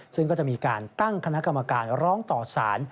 ซึ่งก็จะมีการตั้งคณะกรรมการร้องต่อสาร